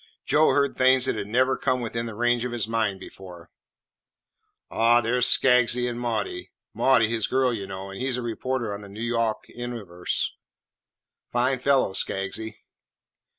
Joe heard things that had never come within the range of his mind before. "Aw, there 's Skaggsy an' Maudie Maudie 's his girl, y' know, an' he 's a reporter on the N' Yawk Universe. Fine fellow, Skaggsy."